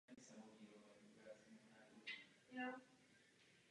Jejím pozdějším partnerem byl Adolf Hoffmeister.